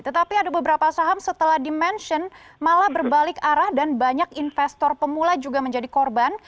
tetapi ada beberapa saham setelah di mention malah berbalik arah dan banyak investor pemula juga menjadi korban